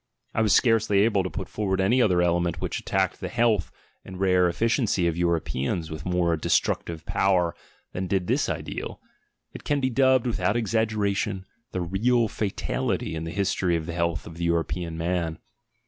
I was scarcely able to put forward any other element which attacked the health and race efficiency of Europeans with more de structive power than did this ideal; it can be dubbed, without exaggeration, the real fatality in the history of the health of the European man.